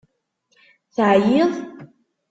Teεyiḍ?